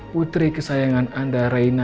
putri kesayangan anda reina